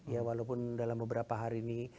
ya walaupun dalam beberapa hari ini